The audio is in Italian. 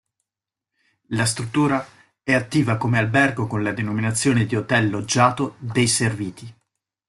La struttura è attiva come albergo con la denominazione di Hotel Loggiato dei Serviti.